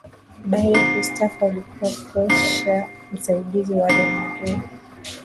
Baada ya kustaafu alikuwa kocha msaidizi wa Real Madrid